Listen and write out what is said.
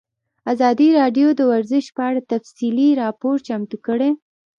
ازادي راډیو د ورزش په اړه تفصیلي راپور چمتو کړی.